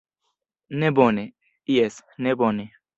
Ne bone, jes, ne bone.